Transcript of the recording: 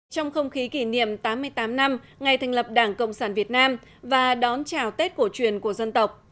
trong không khí kỷ niệm tám mươi tám năm ngày thành lập đảng cộng sản việt nam và đón chào tết cổ truyền của dân tộc